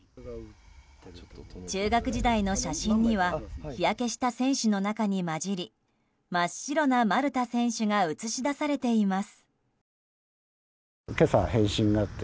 中学時代の写真には日焼けした選手の中に交じり真っ白な丸田選手が写し出されています。